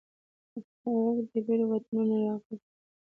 هلک د لیرو وطنونو راغلي